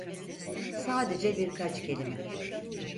Sadece birkaç kelime.